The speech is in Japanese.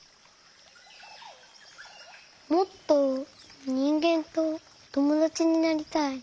もっとにんげんとともだちになりたい。